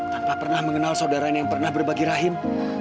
tanpa pernah mengenal saudaranya yang pernah berbagi rahim